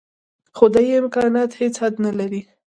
خدايي امکانات هېڅ حد نه لري.